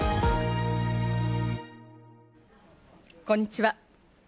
こんにちは。